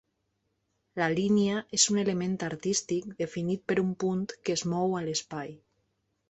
La línia és un element artístic definit per un punt que es mou a l'espai.